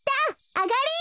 あがり！